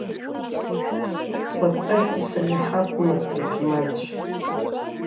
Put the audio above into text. Кәатати сареи ҳакәын аҭырџьманцәа.